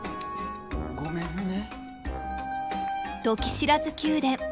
ごめんね。